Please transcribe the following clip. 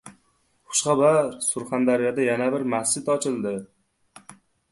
Xushxabar! Surxondaryoda yana bir masjid ochildi